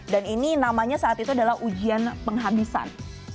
dan ini namanya saat itu adalah ujian penghabisan